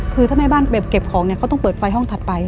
คือถ้าแม่บ้านแบบเก็บของเนี่ยก็ต้องเปิดไฟห้องถัดไป